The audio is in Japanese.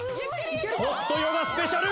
ホットヨガスペシャル！